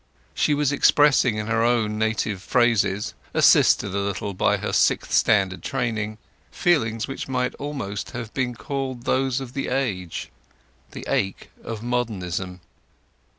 She was expressing in her own native phrases—assisted a little by her Sixth Standard training—feelings which might almost have been called those of the age—the ache of modernism.